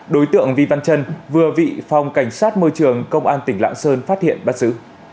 đối tượng vy văn trân vừa vị phòng cảnh sát môi trường công an tỉnh lạng sơn phát hiện bắt xứ